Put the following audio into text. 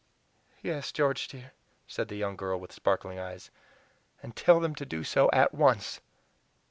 "Yes, George dear," said the young girl, with sparkling eyes; "and tell them to do so AT ONCE!"